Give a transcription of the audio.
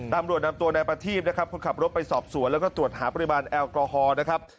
ตามรวดนำตัวในประทีมคุณขับรถไปสอบสวนแล้วก็ตรวจหาปริมาณแอลกอฮอล์นะครับ